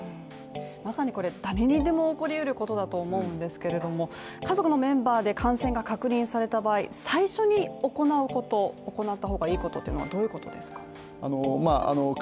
まさに誰にでも起こりうることだと思うんですけど家族のメンバーで感染が確認された場合最初に行うこと、行った方がいいことはどういうことですか？